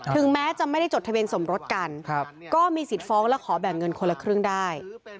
แม้จะไม่ได้จดทะเบียนสมรสกันก็มีสิทธิ์ฟ้องและขอแบ่งเงินคนละครึ่งได้